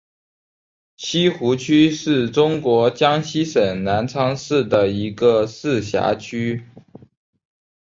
西湖区是中国江西省南昌市的一个市辖区。